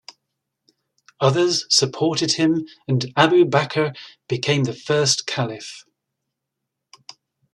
Others supported him, and Abu Bakr became the first caliph.